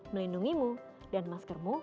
melindungimu dan maskermu